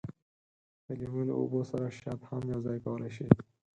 د لیمو له اوبو سره شات هم یوځای کولای شئ.